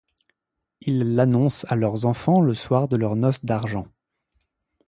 Ils l'annoncent à leurs enfants le soir de leurs noces d'argent.